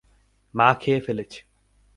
মা খেয়ে ফেলেছে।